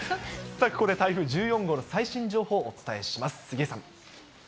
ここで台風１４号の最新情報をお伝えします。